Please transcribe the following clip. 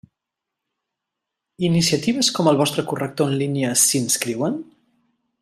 Iniciatives com el vostre corrector en línia s'hi inscriuen?